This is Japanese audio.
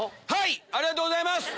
ありがとうございます！